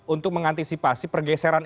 untuk mengantisipasi pergeseran